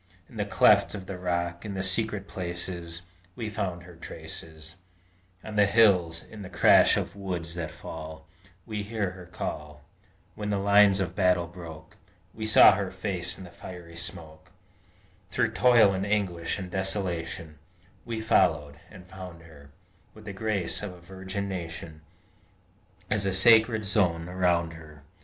In the clefts of the rocks, in the secret places, We found her traces; On the hills, in the crash of woods that fall, We heard her call; When the lines of battle broke, We saw her face in the fiery smoke; Through toil, and anguish, and desolation, We followed, and found her With the grace of a virgin Nation As a sacred zone around her!